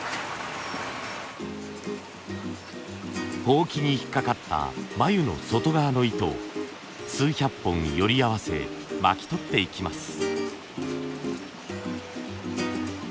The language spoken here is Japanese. ほうきに引っかかった繭の外側の糸を数百本より合わせ巻き取っていきます。